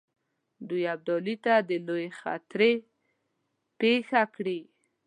دوی ابدالي ته د لویې خطرې پېښه کړي.